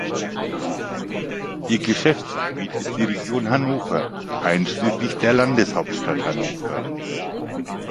Ihr Geschäftsgebiet ist die Region Hannover einschließlich der Landeshauptstadt Hannover.